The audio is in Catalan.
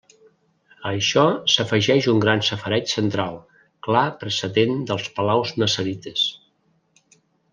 A això s'afegeix un gran safareig central, clar precedent dels palaus nassarites.